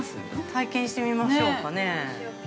◆体験してみましょうかね。